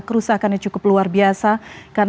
kerusakannya cukup luar biasa